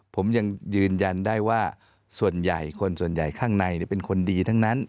ผมยังยืนยันได้ว่าส่วนใหญ่คนส่วนใหญ่ข้างในเป็นคนดีทั้งนั้น